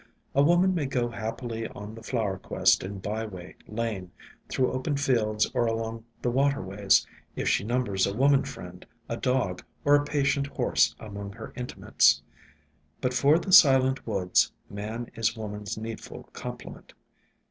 A woman may go happily on the flower quest in byway, lane, through open fields or along the waterways, if she numbers a woman friend, a dog, or a patient horse among her intimates ; but for the silent woods, man is woman's needful com plement.